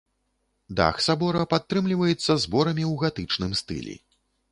Дах сабора падтрымліваецца зборамі ў гатычным стылі.